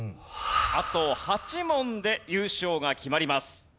あと８問で優勝が決まります。